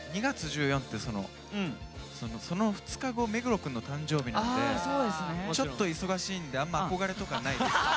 ２月１４ってその２日後目黒くんの誕生日なんでちょっと忙しいんであんま憧れとかはないです。